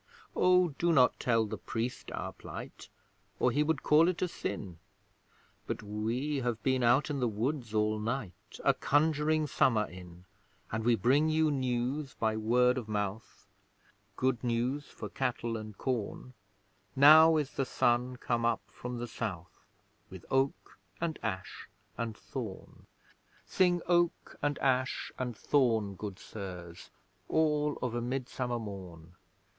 Oh, do not tell the Priest our plight, Or he would call it a sin; But we have been out in the woods all night, A conjuring Summer in! And we bring you news by word of mouth Good news for cattle and corn Now is the Sun come up from the South, With Oak, and Ash, and Thorn! Sing Oak, and Ash, and Thorn, good Sirs (All of a Midsummer morn)!